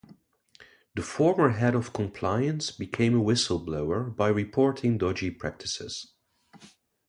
The former head of compliance became a whistle blower by reporting dodgy practices.